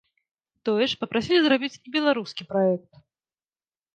Тое ж папрасілі зрабіць і беларускі праект.